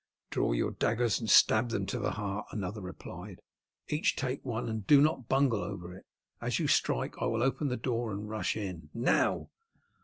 "Draw your daggers and stab them to the heart," another replied. "Each take one, and do not bungle over it. As you strike I will open the door and rush in. Now!"